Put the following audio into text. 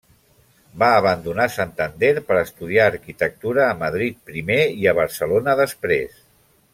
Va abandonar Santander per estudiar arquitectura a Madrid, primer, i a Barcelona, després.